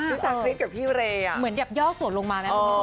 พี่สังฤทธิ์กับพี่เรย์อะเหมือนเดี๋ยวย่อสวนลงมาแม่ง